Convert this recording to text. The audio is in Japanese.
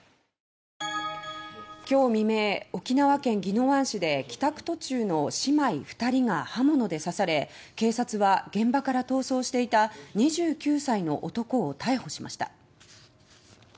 今日未明沖縄県宜野湾市で帰宅途中の姉妹２人が刃物で刺され警察は、現場から逃走していた２９歳の男を逮捕しました。